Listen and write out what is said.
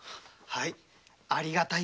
はい。